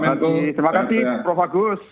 terima kasih prof agus